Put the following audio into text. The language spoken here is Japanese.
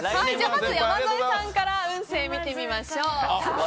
まず山添さんから運勢を見てみましょう。